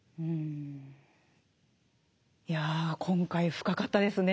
いや今回深かったですね。